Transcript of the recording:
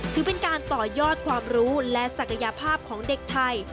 ถือเป็นการต่อยอดความรู้และศักยภาพของเด็กไทย